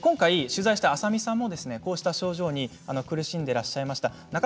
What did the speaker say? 取材したあさみさんもこうした症状に苦しんでいらっしゃいました。